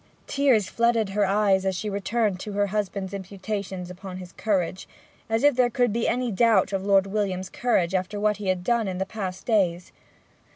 Tears flooded her eyes as she returned to her husband's imputations upon his courage, as if there could be any doubt of Lord William's courage after what he had done in the past days.